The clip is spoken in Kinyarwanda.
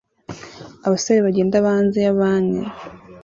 Abasore bagenda hanze ya banki